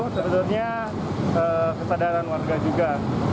sebenarnya kesadaran warga juga